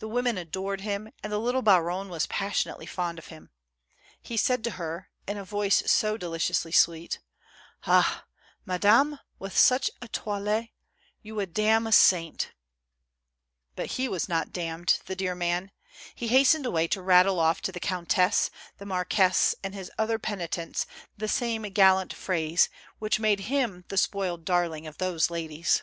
The women adored him and the little baronne was passion ately fond of him — he said to her, in a voice so deli ciously sweet: "Ah ! madame, with such a toilet, you would damn a saint I " But he was not damned, the dear man. He hastened away to rattle ofl' to the countess, the marquise and his other penitents the same gallant phrase, which made him the spoiled darling of those ladies.